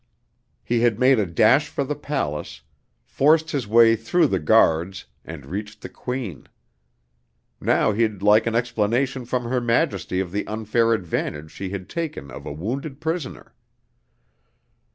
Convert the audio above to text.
He had made a dash for the palace, forced his way through the guards, and reached the Queen. Now he'd like an explanation from her Majesty of the unfair advantage she had taken of a wounded prisoner.